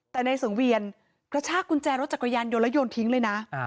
แต่ในสังเวียนกระชากกุญแจรถจักรยานยนต์แล้วโยนทิ้งเลยนะ